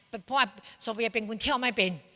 เพราะว่าโซเฟียเป็นคนเที่ยวไม่เป็น